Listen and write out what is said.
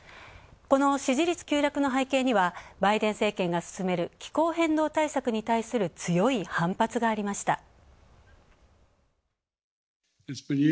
この支持率急落の背景にはバイデン政権が進める気候変動対策に対する強い反発がありました。